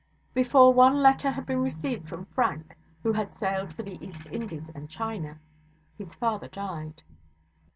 Before one letter had been received from Frank (who had sailed for the East Indies and China), his father died.